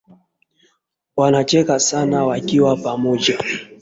Wanacheka sana wakiwa pamoja